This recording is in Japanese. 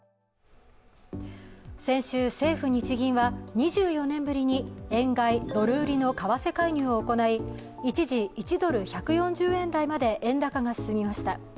先週、政府・日銀は２４年ぶりに円買い・ドル売りの為替介入を行い一時、１ドル＝１４０円台まで円高が進みました。